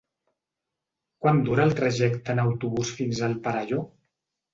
Quant dura el trajecte en autobús fins al Perelló?